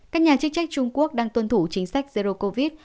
các nhà chức trách trung quốc đang tuân thủ chính sách zero covid